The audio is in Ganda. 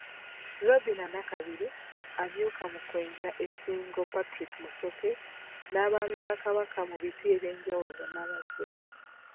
Robinah Nakabiri, amyuka Mukwenda e Ssingo Patrick Musoke n’Abaami ba Kabaka mu biti ebyenjawulo bonna bazze.